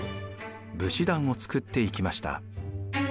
武士団を作っていきました。